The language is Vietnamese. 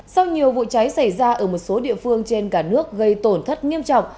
sau nhiều vụ cháy xảy ra ở một số địa phương trên cả nước gây tổn thất nghiêm trọng